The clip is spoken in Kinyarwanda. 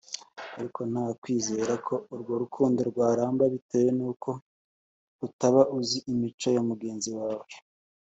ariko nta wakwizera ko urwo rukundo rwaramba bitewe nuko utaba uzi imico ya mugenzi wawe